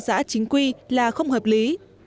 xã chính quy là không hợp lý